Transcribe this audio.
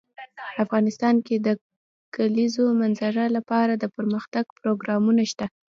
افغانستان کې د د کلیزو منظره لپاره دپرمختیا پروګرامونه شته.